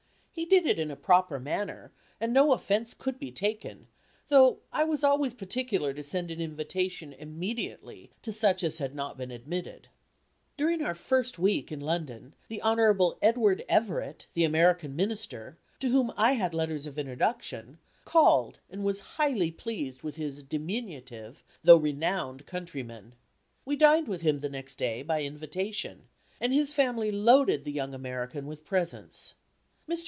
He did it in a proper manner, and no offence could be taken, though I was always particular to send an invitation immediately to such as had not been admitted. During our first week in London, the Hon. Edward Everett, the American Minister, to whom I had letters of introduction, called and was highly pleased with his diminutive though renowned countryman. We dined with him the next day, by invitation, and his family loaded the young American with presents. Mr.